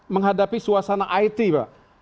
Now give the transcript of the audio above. menghadapi suasana it pak